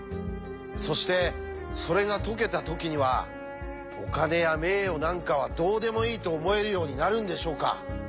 そしてそれが解けた時にはお金や名誉なんかはどうでもいいと思えるようになるんでしょうか？